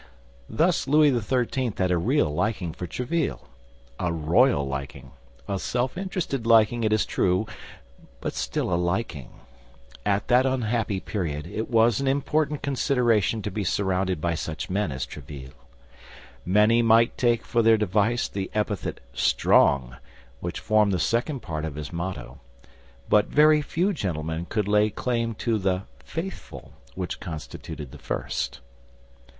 Thus Louis XIII. had a real liking for Tréville—a royal liking, a self interested liking, it is true, but still a liking. At that unhappy period it was an important consideration to be surrounded by such men as Tréville. Many might take for their device the epithet strong, which formed the second part of his motto, but very few gentlemen could lay claim to the faithful, which constituted the first.